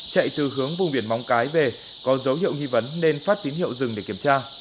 chạy từ hướng vùng biển móng cái về có dấu hiệu nghi vấn nên phát tín hiệu dừng để kiểm tra